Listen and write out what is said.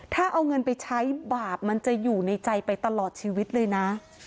ถ้าเอาเงินไปใช้บาปมันจะอยู่ในใจไปตลอดชีวิตเลยนะ